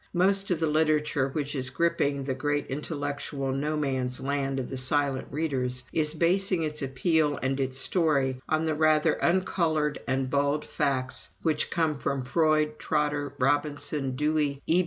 Most of the literature which is gripping that great intellectual no man's land of the silent readers, is basing its appeal, and its story, on the rather uncolored and bald facts which come from Freud, Trotter, Robinson, Dewey, E.